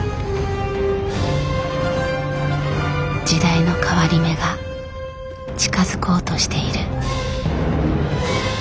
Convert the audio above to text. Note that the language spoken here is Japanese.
時代の変わり目が近づこうとしている。